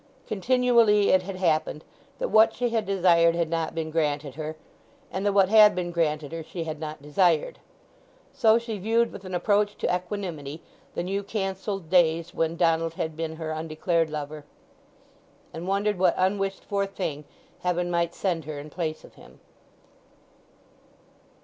Continually it had happened that what she had desired had not been granted her, and that what had been granted her she had not desired. So she viewed with an approach to equanimity the now cancelled days when Donald had been her undeclared lover, and wondered what unwished for thing Heaven might send her in place of him.